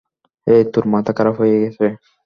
হেই, তোর মাথা খারাপ হয়ে গেছে?